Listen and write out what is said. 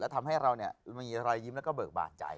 ทำให้เรามีรอยยิ้มแล้วก็เบิกบานใจ